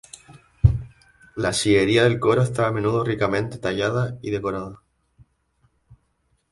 La sillería del coro está a menudo ricamente tallada y decorada.